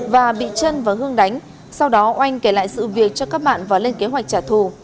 và bị chân và hương đánh sau đó oanh kể lại sự việc cho các bạn và lên kế hoạch trả thù